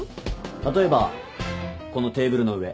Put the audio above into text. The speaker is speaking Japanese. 例えばこのテーブルの上。